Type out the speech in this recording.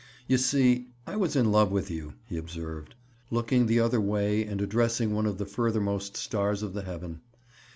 "You see I was in love with you," he observed, looking the other way and addressing one of the furthermost stars of the heaven.